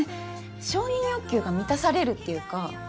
承認欲求が満たされるっていうか。